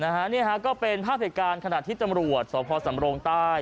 นี่ฮะก็เป็นภาพเหตุการณ์ขณะที่ตำรวจสพสำโรงใต้